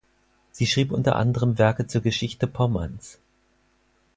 Sie schrieb unter anderem Werke zur Geschichte Pommerns.